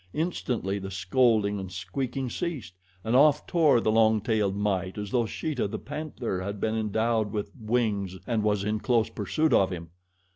Instantly the scolding and squeaking ceased, and off tore the long tailed mite as though Sheeta, the panther, had been endowed with wings and was in close pursuit of him.